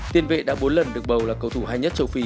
tiền vệ đã bốn lần được bầu là cầu thủ hay nhất châu phi